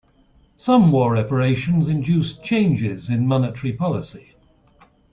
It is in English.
Some war reparations induced changes in monetary policy.